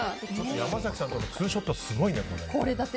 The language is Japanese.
山崎さんとのツーショットすごいね。